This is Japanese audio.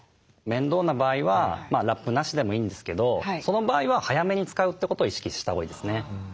面倒な場合はラップなしでもいいんですけどその場合は早めに使うってことを意識したほうがいいですね。